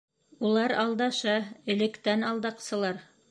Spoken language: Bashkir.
— Улар алдаша, электән алдаҡсылар.